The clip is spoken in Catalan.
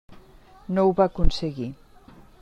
No ho va aconseguir.